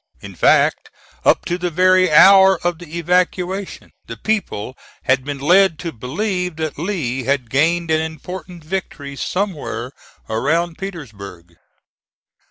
In fact, up to the very hour of the evacuation the people had been led to believe that Lee had gained an important victory somewhere around Petersburg.